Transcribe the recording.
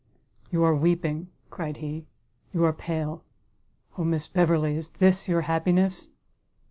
"You are weeping!" cried he, "you are pale! Oh Miss Beverley! is this your happiness!"